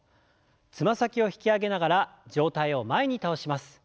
つま先を引き上げながら上体を前に倒します。